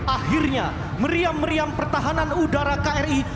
akhirnya meriam meriam pertahanan udara kri